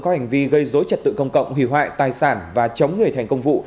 có hành vi gây dối trật tự công cộng hủy hoại tài sản và chống người thành công vụ